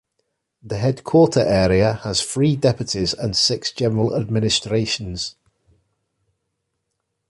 The headquarter area has three deputies and six general administrations.